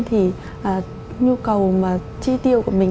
thì nhu cầu tri tiêu của mình